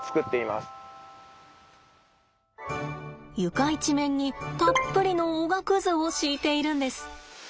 床一面にたっぷりのおがくずを敷いているんです。